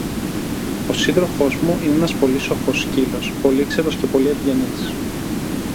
Ο σύντροφος μου είναι ένας πολύ σοφός σκύλος, πολύξερος και πολύ ευγενής.